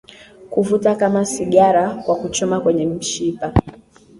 kuvuta kama sigara na kwa kuchoma kwenye mshipa